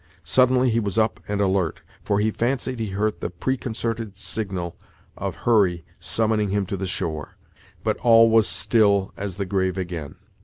Suddenly he was up and alert, for he fancied he heard the preconcerted signal of Hurry summoning him to the shore. But all was still as the grave again.